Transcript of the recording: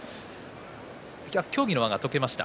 協議の輪が解けました。